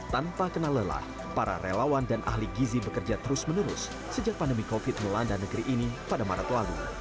tanpa kena lelah para relawan dan ahli gizi bekerja terus menerus sejak pandemi covid melanda negeri ini pada maret lalu